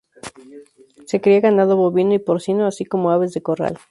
Se cría ganado bovino y porcino, así como aves de corral.